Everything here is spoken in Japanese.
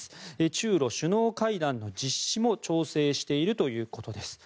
中ロ首脳会談の実施も調整しているということです。